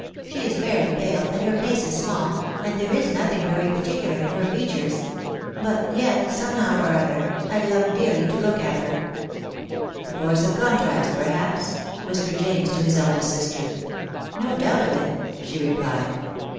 She is very pale, and her face it avail, and there is nothing very particular in her feature* ; but yet, somehow or other, I love dearly to look at her." " The force of contrast, perhaps ?" whispered James to his eldest sister. " No doubt of it," she replied.